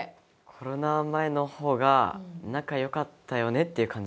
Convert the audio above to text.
コロナ前の方が仲よかったよねっていう感じはありました。